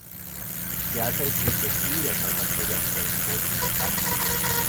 Derzeit gibt es viele solcher Projekte in Großbritannien.